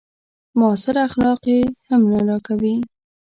معاصر اخلاق يې هم نه راکوي.